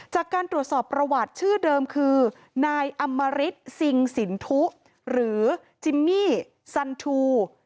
จากการตรวจสอบประวัติชื่อเดิมคือนายอำมริตซิงสินทุหรือจิมมี่ซันทู